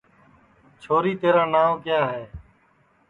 چھوری تیرا ناو کیا ہے